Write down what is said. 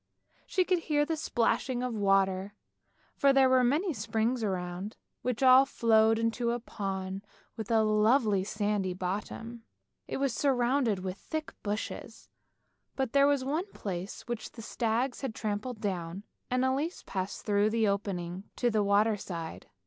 She could hear the splashing of water, for there were many springs around, which all flowed into a pond with a lovely sandy bottom. It was surrounded with thick bushes, but there was one place which the stags had trampled down and Elise passed through the opening to the water side.